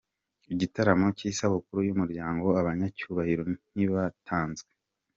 Igitaramo cy’isabukuru y’Umuryango Abanyacyubahiro ntibatanzwe